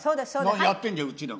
やってんじゃんうちらも。